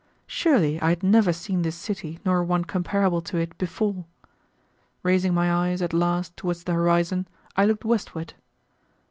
Surely I had never seen this city nor one comparable to it before. Raising my eyes at last towards the horizon, I looked westward.